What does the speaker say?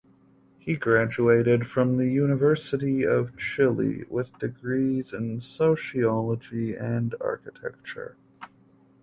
He graduated from the University of Chile with degrees in sociology and architecture.